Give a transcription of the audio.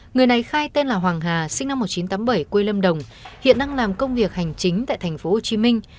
người này khai tên là hoàng hà sinh năm một nghìn chín trăm tám mươi bảy quê lâm đồng hiện đang làm công việc hành chính tại thành phố hồ chí minh